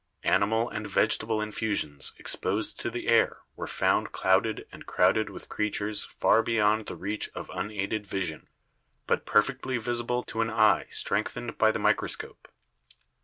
Animal and vegetable infusions exposed to the air were found clouded and crowded with creatures far beyond the reach of unaided vision, but perfectly visible to an eye strengthened by the microscope.